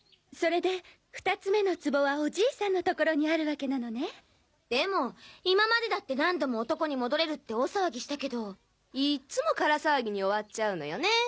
それで２つ目の壺はおじいさんのところにあるわけなのねでも今までだって何度も男に戻れるって大騒ぎしたけどいっつも空騒ぎに終わっちゃうのよね